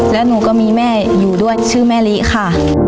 แล้วหนูก็มีแม่อยู่ด้วยชื่อแม่ลิค่ะ